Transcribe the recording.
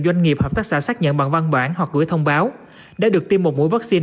doanh nghiệp hợp tác xã xác nhận bằng văn bản hoặc gửi thông báo đã được tiêm một mũi vaccine